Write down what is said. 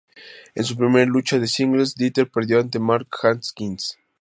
En su primera lucha de singles, Dieter perdió ante Mark Haskins.